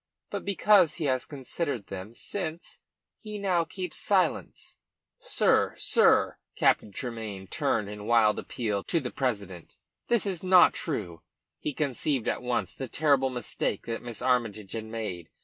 But because he has considered them since, he now keeps silent." "Sir, sir," Captain Tremayne turned in wild appeal to the president, "this is not true." He conceived at once the terrible mistake that Miss Armytage had made.